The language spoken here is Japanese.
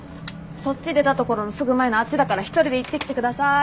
そっち出たところのすぐ前のあっちだから一人で行ってきてください。